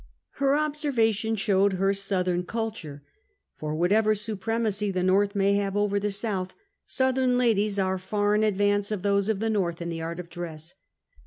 Her observation showed her Southern culture, for whatever supremacy the North may have over the South, Southern ladies are far in advance of those of the llTorth in the art of dress.